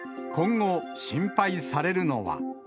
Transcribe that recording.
今後、心配されるのは。